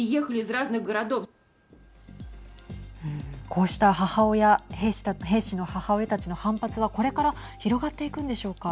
こうした母親兵士の母親たちの反発は、これから広がっていくんでしょうか。